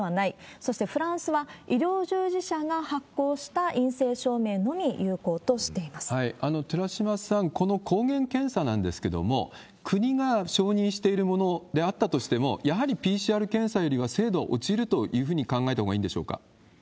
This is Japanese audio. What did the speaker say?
そしてフランスは、医療従事者が発行した陰性証明のみ有効として寺嶋さん、この抗原検査なんですけれども、国が承認しているものであったとしても、やはりＰＣＲ検査よりは精度は落ちるというふうに考えたほうがいいんでしょうか？